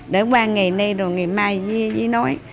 để qua ngày nay rồi ngày mai dì nói